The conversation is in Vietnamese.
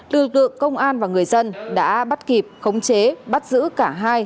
lực lượng công an và người dân đã bắt kịp khống chế bắt giữ cả hai